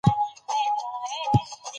ټولنیز ثبات د ګډو ارزښتونو پر بنسټ ولاړ دی.